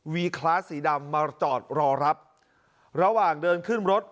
คลาสสีดำมาจอดรอรับระหว่างเดินขึ้นรถ